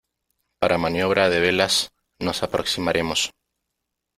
para maniobra de velas . nos aproximaremos